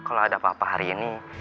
kalau ada apa apa hari ini